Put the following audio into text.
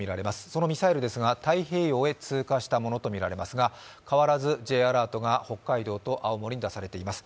そのミサイルですが、太平洋へ通過したものとみられますが、変わらずＪアラートが北海道と青森に出されています。